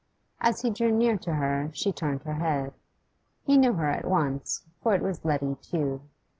As he drew near to her, she turned her head. He knew her at once, for it was Letty Tew.